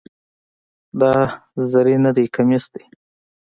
دا زری نده، کمیس ده.